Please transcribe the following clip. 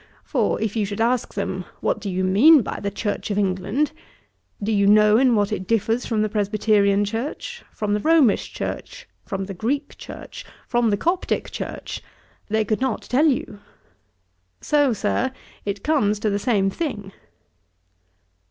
For if you should ask them, what do you mean by the Church of England? Do you know in what it differs from the Presbyterian Church? from the Romish Church? from the Greek Church? from the Coptick Church? they could not tell you. So, Sir, it comes to the same thing.'